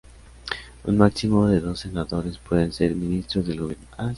Un máximo de dos senadores pueden ser ministros del Gobierno.